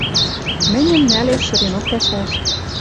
Мӹньӹм нӓлеш шӹренок пӓшӓш.